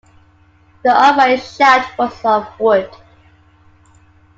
The upright shaft was of wood.